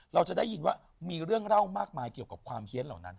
เราจะได้ยินว่ามีเรื่องเล่ามากมายเกี่ยวกับความเฮียนเหล่านั้น